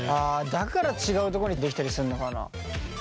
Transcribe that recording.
だから違うとこに出来たりするのかな。